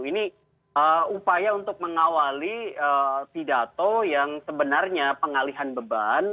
ini upaya untuk mengawali pidato yang sebenarnya pengalihan beban